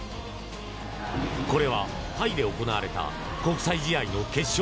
これはタイで行われた国際試合の決勝。